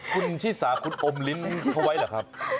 คุณชิสาคุณอมลิ้นเขาไว้เหรอครับ